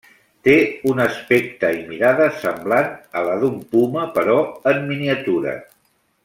Té un aspecte i mirada semblant a la d’un puma però en miniatura.